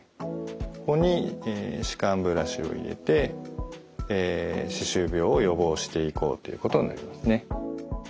ここに歯間ブラシを入れて歯周病を予防していこうということになりますね。